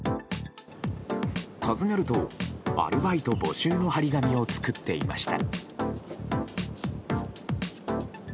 訪ねると、アルバイト募集の貼り紙を作っていました。